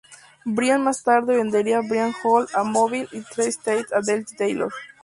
Byrd más tarde vendería Byrd Oil a Mobil y Three States a Delhi-Taylor.